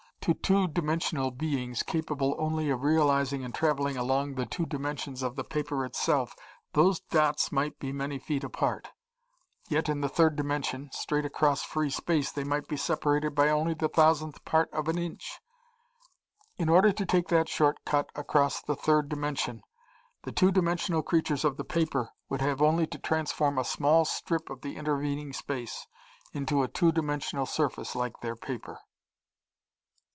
To two dimensional beings capable only of realizing and traveling along the two dimensions of the paper itself those dots might be many feet apart, yet in the third dimension straight across free space they might be separated by only the thousandth part of an inch. In order to take that short cut across the third dimension the two dimensional creatures of the paper would have only to transform a small strip of the intervening space into a two dimensional surface like their paper.